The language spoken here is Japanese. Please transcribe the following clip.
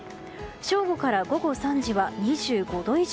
正午から午後３時は２５度以上。